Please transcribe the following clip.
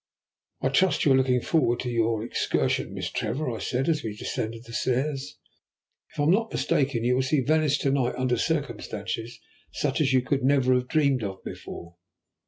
"I trust you are looking forward to your excursion, Miss Trevor?" I said as we descended the stairs. "If I am not mistaken you will see Venice to night under circumstances such as you could never have dreamed of before."